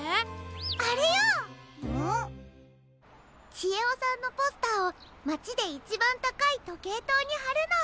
ちえおさんのポスターをまちでいちばんたかいとけいとうにはるの。